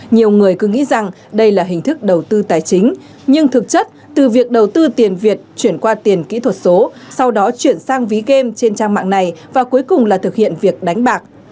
nhiều người cứ nghĩ rằng đây là hình thức đầu tư tài chính nhưng thực chất từ việc đầu tư tiền việt chuyển qua tiền kỹ thuật số sau đó chuyển sang ví game trên trang mạng này và cuối cùng là thực hiện việc đánh bạc